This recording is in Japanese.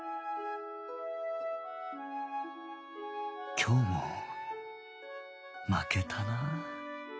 今日も負けたなあ